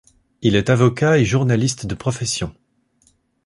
Il est avocat et journaliste de profession.